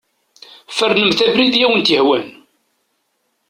Fernemt abrid i awent-yehwan.